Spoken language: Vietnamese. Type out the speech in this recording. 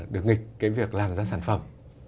được nghịch cái việc làm ra sản phẩm